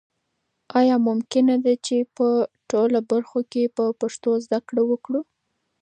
آیا ممکنه ده چې په ټولو برخو کې په پښتو زده کړه وکړو؟